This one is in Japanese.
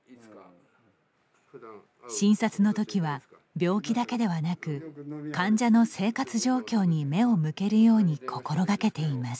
診察のときは、病気だけではなく患者の生活状況に目を向けるように心がけています。